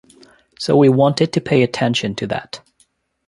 So we wanted to pay attention to that.